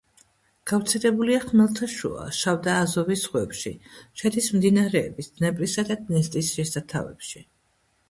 გავრცელებულია ხმელთაშუა, შავ და აზოვის ზღვებში; შედის მდინარეების დნეპრისა და დნესტრის შესართავებში.